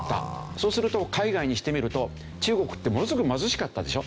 そうすると海外にしてみると中国ってものすごく貧しかったでしょ？